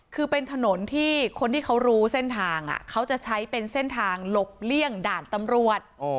คือเป็นถนนที่คนที่เขารู้เส้นทางเขาจะใช้เป็นเส้นทางหลบเลี่ยงด่านตำรวจ